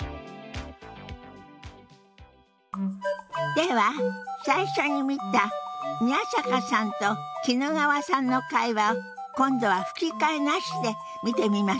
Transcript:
では最初に見た宮坂さんと衣川さんの会話を今度は吹き替えなしで見てみましょう。